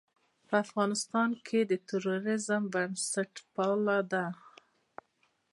که په افغانستان کې تروريزم او بنسټپالنه ده.